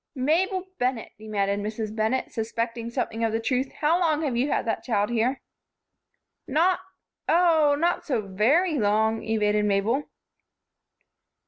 "Mabel Bennett!" demanded Mrs. Bennett, suspecting something of the truth, "how long have you had that child here?" "Not Oh, not so very long," evaded Mabel.